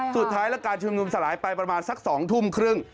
สุดท้ายแล้วการชุมนุมสลายไปประมาณสัก๒ทุ่มครึ่ง